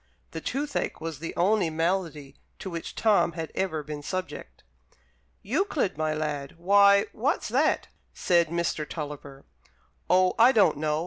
(The toothache was the only malady to which Tom had ever been subject.) "Euclid, my lad; why, what's that?" said Mr. Tulliver. "Oh, I don't know.